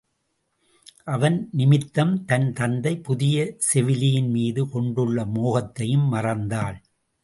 அவன் நிமித்தம், தன் தந்தை புதிய செவிலியின்மீது கொண்டுள்ள மோகத்தையும் மறந்தாள்.